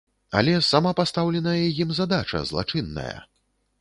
Але сама пастаўленая ім задача злачынная!